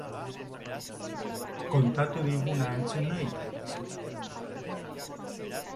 Kontatu diguna entzun nahi?